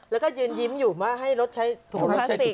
แล้วก็ยืนยิ้มอยู่ว่าให้รถใช้ถุงพลาสติก